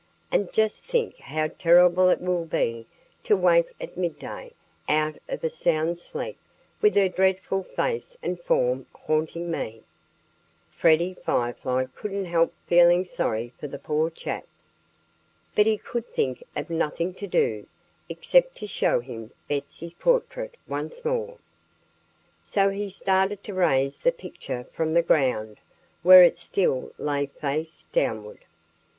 And just think how terrible it will be to wake at midday, out of a sound sleep, with her dreadful face and form haunting me!" Freddie Firefly couldn't help feeling sorry for the poor chap. But he could think of nothing to do, except to show him Betsy's portrait once more. So he started to raise the picture from the ground, where it still lay face downward.